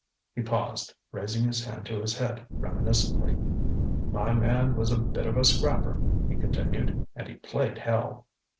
ŌĆØ He paused, raising his hand to his head reminiscently. ŌĆ£My man was a bit of a scrapper, ŌĆØ he continued, ŌĆ£and he played hell.